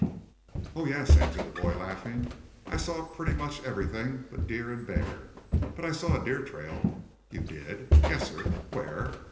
"Oh, yes," answered the boy laughing. "I saw pretty much everything but deer and bear. But I saw a deer trail." "You did?" "Yes, sir." "Where?"